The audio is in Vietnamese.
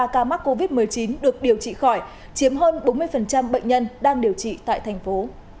năm trăm bảy mươi ba ca mắc covid một mươi chín được điều trị khỏi chiếm hơn bốn mươi bệnh nhân đang điều trị tại thành phố